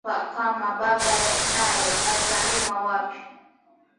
Atujue apa kama baba naye ata rima wapi